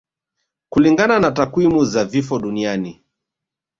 Kulingana na takwimu za vifo duniani